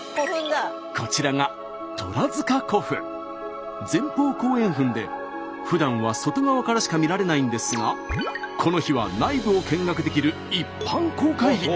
こちらが前方後円墳でふだんは外側からしか見られないんですがこの日は内部を見学できる一般公開日。